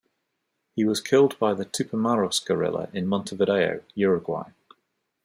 He was killed by the Tupamaros guerrilla in Montevideo, Uruguay.